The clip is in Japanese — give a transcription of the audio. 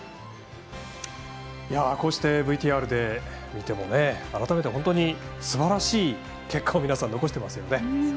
こうしてＶＴＲで見ても改めて、本当にすばらしい結果を皆さん、残していますよね。